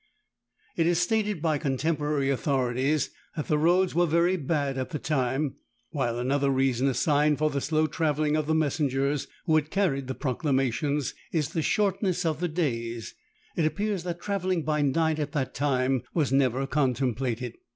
It is stated by contemporary authorities that the roads were very bad at the time; while another reason assigned for the slow travelling of the messengers, who had carried the proclamations, is the shortness of the days. It appears that travelling by night at that time was never contemplated.